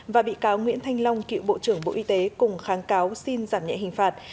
và bị cáo nguyễn thanh long cựu bộ trưởng bộ y tế cùng kháng cáo xin giảm nhẹ hình phạt